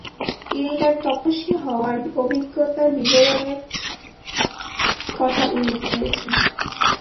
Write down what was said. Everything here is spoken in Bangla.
তিনি তাঁর তপস্বী হওয়া অভিজ্ঞতার বিবরণের কথা উল্লেখ করেছেন।